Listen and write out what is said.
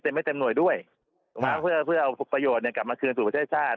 เต็มให้เต็มหน่วยด้วยเพื่อเอาประโยชน์เนี้ยกลับมาคืนสู่ประเทศชาติ